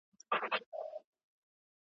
د بریا لپاره کلکه اراده او هوډ اړین دي.